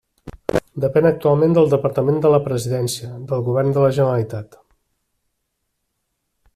Depèn actualment del departament de la Presidència del govern de la Generalitat.